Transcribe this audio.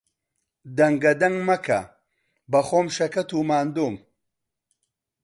دەنگەدەنگ مەکە، بەخۆم شەکەت و ماندووم.